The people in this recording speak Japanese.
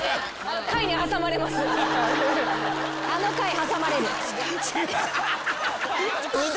あの貝挟まれる。